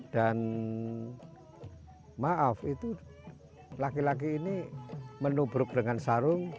dan maaf itu laki laki ini menubruk dengan sarung